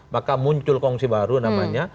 maka muncul kongsi baru namanya